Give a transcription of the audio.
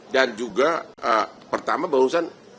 dan juga pertama barusan